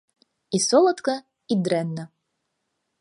І соладка і дрэнна.